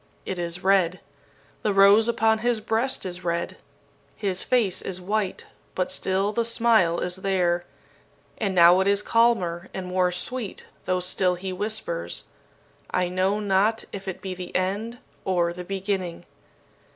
It is red. The rose upon his breast is red. His face is white, but still the smile is there; and now it is calmer and more sweet, though still he whispers, 'I know not if it be the end or the beginning!'